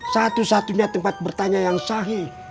satu satunya tempat bertanya yang sahih